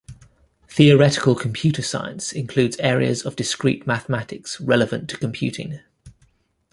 Theoretical computer science includes areas of discrete mathematics relevant to computing.